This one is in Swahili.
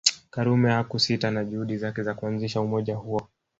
Karume hakusita na juhudi zake za kuanzisha umoja huo